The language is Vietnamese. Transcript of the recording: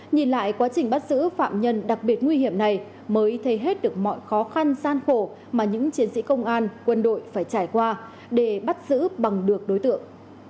nhìn lại quá trình bắt giữ phạm nhân đặc biệt nguy hiểm này mới thấy hết được mọi khó khăn gian khổ mà những chiến sĩ công an quân đội phải trải qua để bắt giữ bằng được đối tượng